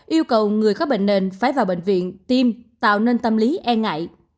yêu cầu người có bệnh nền phải vào bệnh viện tim tạo nên tâm lý e ngại